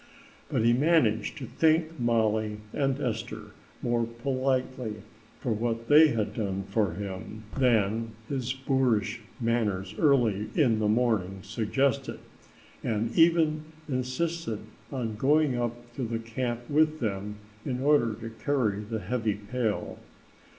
But he managed to thank Mollie and Esther more politely for what they had done for him, than his boorish manners earlier in the morning suggested, and even insisted on going on up to the camp with them in order to carry the heavy pail.